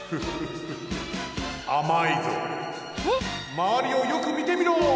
・まわりをよくみてみろ！